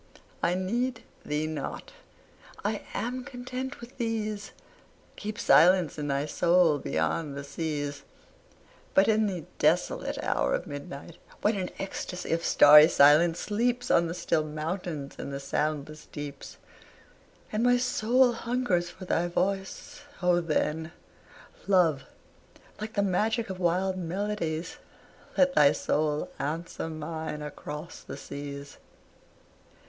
I need thee not, I am content with these: Keep silence in thy soul, beyond the seas! But in the desolate hour of midnight, when An ecstasy of starry silence sleeps On the still mountains and the soundless deeps, And my soul hungers for thy voice, O then, Love, like the magic of wild melodies, Let thy soul answer mine across the seas.